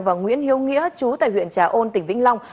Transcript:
và nguyễn hiếu nghĩa chú tại huyện trà ôn tỉnh vĩnh long